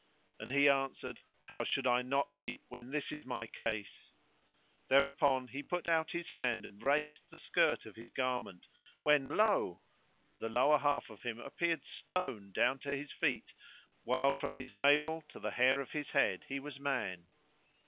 and he answered, "How should I not weep, when this is my case!" Thereupon he put out his hand and raised the skirt of his garment, when lo! the lower half of him appeared stone down to his feet while from his navel to the hair of his head he was man.